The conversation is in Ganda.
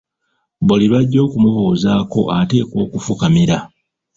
Buli lw'ajja okumbuuzaako ateekwa okufukamira.